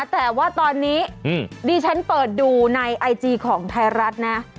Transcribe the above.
แต่ว่าตอนนี้ดิฉันเปิดดูในไอจีของไทยรัฐนะ